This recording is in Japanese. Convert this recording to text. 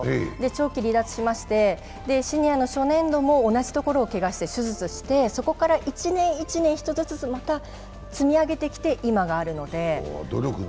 長期離脱しまして、シニアの初年度も同じところをけがして手術してそこから１年、１年、１つずつ、また積み上げてきて今があるので。